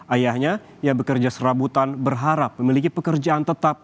ayahnya yang bekerja serabutan berharap memiliki pekerjaan tetap